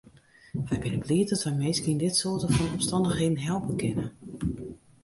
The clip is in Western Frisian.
Wy binne bliid dat wy minsken yn dit soarte fan omstannichheden helpe kinne.